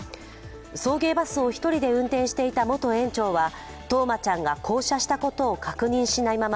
送迎バスを１人で運転していた元園長は、冬生ちゃんが降車したことを確認しないまま